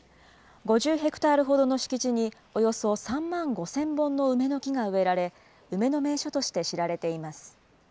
５０ヘクタールほどの敷地に、およそ３万５０００本の梅の木が植えられ、梅の名所として知られています。